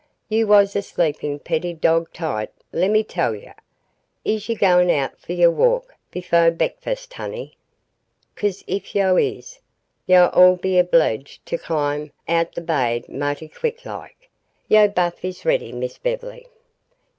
Yo' was a sleepin' p'etty doggone tight, lemme tell yo'. Is yo' goin' out fo' yo' walk befo' b'eakfus, honey? 'Cause if yo' is, yo' all 'll be obleeged to climb out'n dat baid maghty quick like. Yo' baf is ready, Miss Bev'ly."